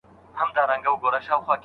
شاګرد له ډېر وخته په دې موضوع کار کوي.